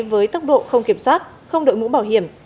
với tốc độ không kiểm soát không đội mũ bảo hiểm